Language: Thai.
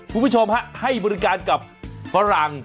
คุณผู้ชมฮะให้บริการกับฝรั่ง